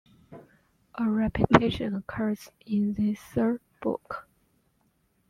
A repetition occurs in this third book.